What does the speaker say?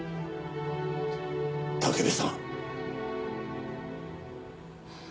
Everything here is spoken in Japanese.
武部さん。